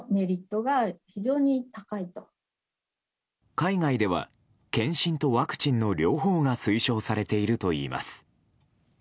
海外では検診とワクチンの両方が推奨されているといいます。